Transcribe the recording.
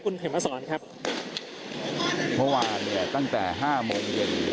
คุณเข็มมาสอนครับเมื่อวานเนี่ยตั้งแต่ห้าโมงเย็น